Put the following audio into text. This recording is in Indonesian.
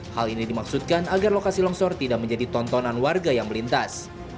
hal ini dimaksudkan agar lokasi longsor tidak menjadi tontonan warga yang melintas